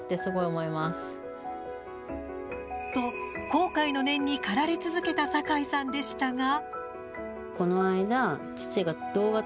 後悔の念に駆られ続けた酒井さんでしたが。